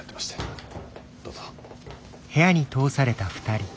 どうぞ。